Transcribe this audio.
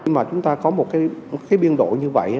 mà chúng ta có một cái biên độ như vậy